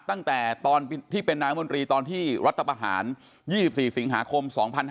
ตั้งแต่ตอนที่เป็นนางมนตรีตอนที่รัฐประหาร๒๔สิงหาคม๒๕๕๙